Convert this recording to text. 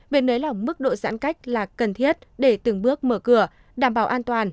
về nới lòng mức độ giãn cách là cần thiết để từng bước mở cửa đảm bảo an toàn